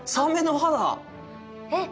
えっ！